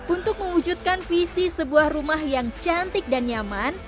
untuk mewujudkan visi sebuah rumah yang cantik dan nyaman